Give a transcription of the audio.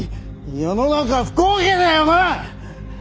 世の中不公平だよな！